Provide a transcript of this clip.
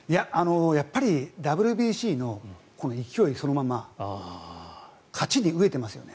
やっぱりＷＢＣの勢いそのまま勝ちに飢えていますよね。